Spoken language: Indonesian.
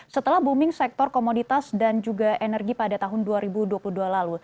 setelah booming sektor komoditas dan juga energi pada tahun dua ribu dua puluh dua lalu